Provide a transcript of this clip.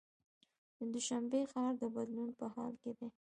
د دوشنبې ښار د بدلون په حال کې دی.